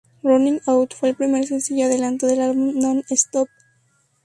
Running Out fue el primer sencillo adelanto del álbum Non-Stop.